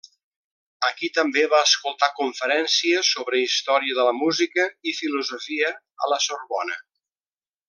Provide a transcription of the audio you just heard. Aquí també va escoltar conferències sobre història de la música i filosofia a la Sorbona.